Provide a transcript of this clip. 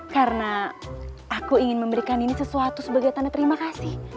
karena aku ingin memberikan nini sesuatu sebagai tanda terima kasih